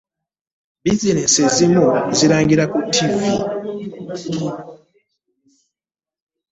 bizineesi ezimu zirangira ku ttivi.